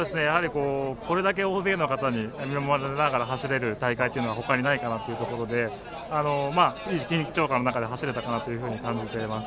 これだけ大勢の人に見守られながら走れる大会は他にないということで、いい緊張感の中で走れたかなと感じています。